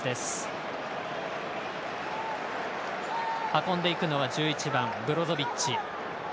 運んでいくのは１１番ブロゾビッチ。